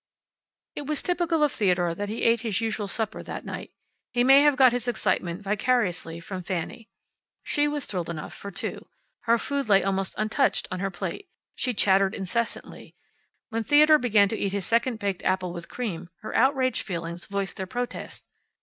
It was typical of Theodore that he ate his usual supper that night. He may have got his excitement vicariously from Fanny. She was thrilled enough for two. Her food lay almost untouched on her plate. She chattered incessantly. When Theodore began to eat his second baked apple with cream, her outraged feelings voiced their protest.